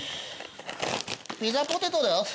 ピザポテトです。